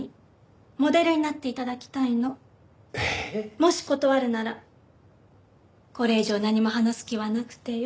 もし断るならこれ以上何も話す気はなくてよ。